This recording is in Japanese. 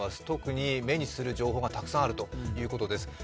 特に目にする情報がたくさんあるということです。